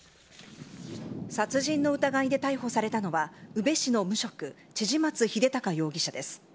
殺人の疑いで逮捕されたのは、宇部市の無職、千々松秀高容疑者です。